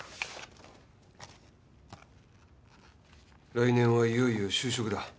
来年はいよいよ就職だ。